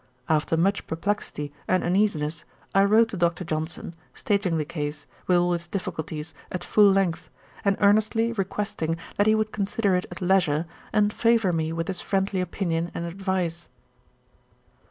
After much perplexity and uneasiness, I wrote to Dr. Johnson, stating the case, with all its difficulties, at full length, and earnestly requesting that he would consider it at leisure, and favour me with his friendly opinion and advice.